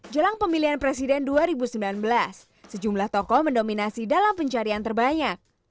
jelang pemilihan presiden dua ribu sembilan belas sejumlah tokoh mendominasi dalam pencarian terbanyak